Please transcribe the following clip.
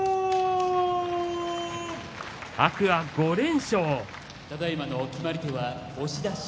天空海は５連勝。